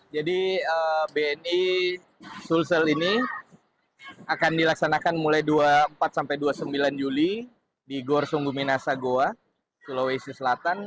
jadi bni sulsel ini akan dilaksanakan mulai dua puluh empat sampai dua puluh sembilan juli di gor sunggu minas sagoa sulawesi selatan